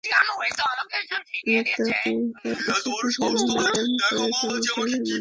মুত্তাকীদের প্রতিশ্রুত জান্নাত দান করে তাকে মর্যাদাবান করুন।